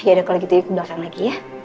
yaudah kalau gitu yuk ke belakang lagi ya